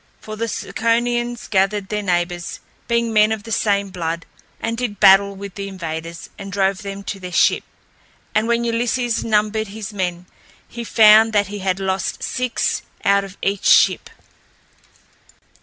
For the Ciconians gathered their neighbors, being men of the same blood, and did battle with the invaders and drove them to their ship. And when Ulysses numbered his men, he found that he had lost six out of each ship.